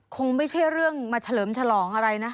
คงไม่ใช่เรื่องมาเฉลิมฉลองอะไรนะ